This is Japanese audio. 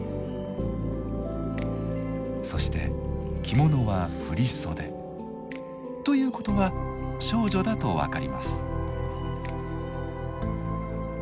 そして着物は振り袖。ということは少女だと分かります。